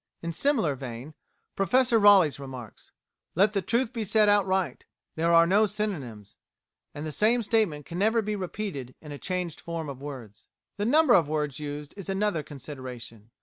'" In similar vein, Professor Raleigh remarks, "Let the truth be said outright: there are no synonyms, and the same statement can never be repeated in a changed form of words." The number of words used is another consideration.